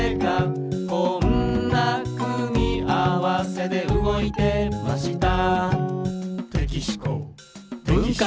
「こんな組み合わせで動いてました」